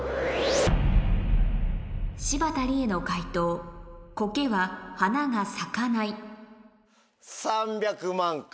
柴田理恵の解答コケは花が咲かないうっへ！